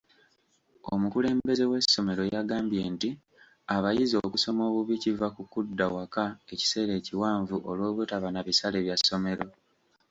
Omukulembeze w'essomero yagambye nti abayizi okusoma obubi kiva ku kudda waka ekiseera ekiwanvu olw'obutaba na bisale bya ssomero.